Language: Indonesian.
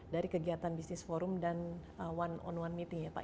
dan bisnis forum dan one on one meeting ya pak